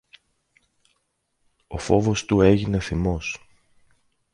ο φόβος του έγινε θυμός.